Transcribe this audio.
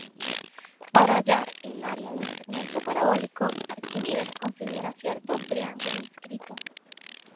Para hallar el área de un segmento parabólico, Arquímedes considera cierto triángulo inscrito.